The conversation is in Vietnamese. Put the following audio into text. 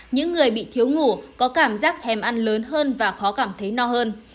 những người bị thiếu ngủ có cảm giác thèm ăn lớn hơn và khó cảm thấy no hơn